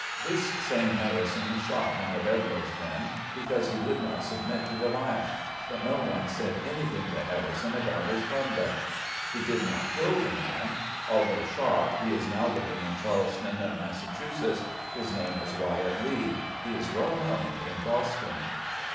This same Harrison shot one of Edloe's men, because he would not submit to the lash ; but no one said anything to Harrison about his conduct. (He did not kill the man. Although shot, he is now living in Charlestown, Mass. His name is Wyatt Lee. He is well known in Boston.)